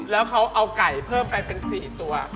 แล้วเขาเอาไก่เพิ่มไปเป็น๔ตัว